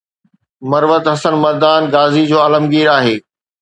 مروت حسن مردان غازي جو عالمگير آهي